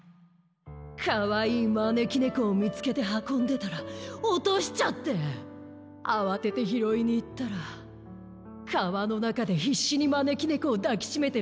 かわいいまねきねこをみつけてはこんでたらおとしちゃってあわててひろいにいったらかわのなかでひっしにまねきねこをだきしめてるひとがいたんだ。